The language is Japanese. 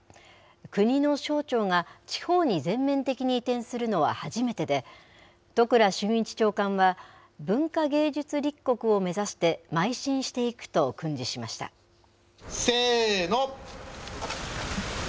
国の省庁が、地方に全面的に移転するのは初めてで、都倉俊一長官は、文化芸術立国を目指してまい進していくと訓示しせーの。